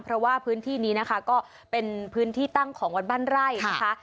เพราะว่าพื้นที่นี้นะคะก็เป็นพื้นที่ตั้งของวัดบ้านไร่นะคะ